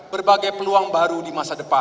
berbagai peluang baru di masa depan